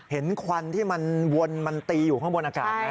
ควันที่มันวนมันตีอยู่ข้างบนอากาศไหม